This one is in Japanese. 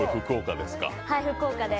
福岡です。